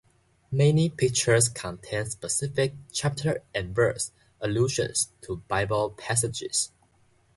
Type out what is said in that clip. Many pictures contain specific chapter-and-verse allusions to Bible passages.